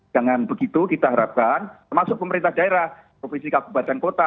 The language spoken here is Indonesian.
dengan begitu kita harapkan termasuk pemerintah daerah provinsi kabupaten kota